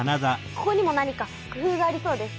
ここにも何か工ふうがありそうです。